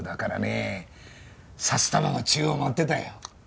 札束も宙を舞ってたよ。